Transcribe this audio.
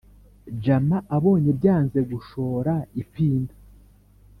jama abonye byanze gushora ipinda